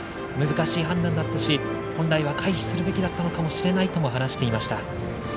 難しい判断だったし本来は回避するべきだったのかもしれないとも話していました。